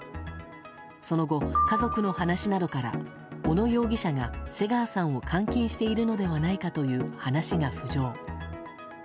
その後、家族の話などから小野容疑者が瀬川さんを監禁しているのではないかという話が浮上。